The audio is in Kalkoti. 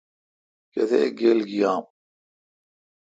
کتیک گیل گییام۔